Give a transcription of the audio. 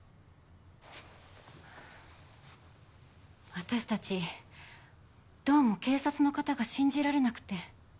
私たちどうも警察の方が信じられなくて。